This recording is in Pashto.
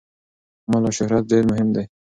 مال او شهرت ډېر مهم نه دي.